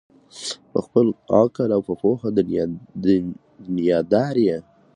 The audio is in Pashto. په خپل عقل او په پوهه دنیادار یې